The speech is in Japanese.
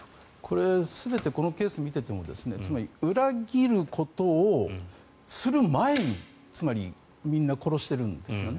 これ全てこのケースを見ていても裏切ることをする前につまり、みんな殺しているんですね。